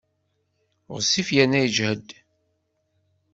Ɣezzif yerna yejhed.